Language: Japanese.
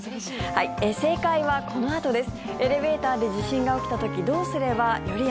正解は、このあとです。